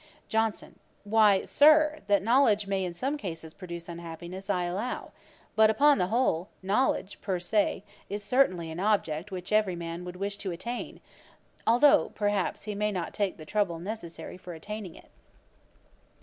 JOHNSON. 'Why, Sir, that knowledge may in some cases produce unhappiness, I allow. But, upon the whole, knowledge, per se, is certainly an object which every man would wish to attain, although, perhaps, he may not take the trouble necessary for attaining it.'